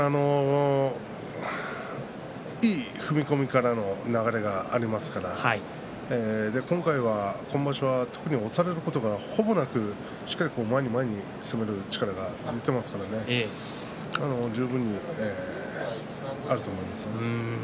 いい踏み込みからの流れがありますから今回は今場所は特に押されることが、ほぼなくしっかり前に前に攻める力が出ていますから十分にあると思います。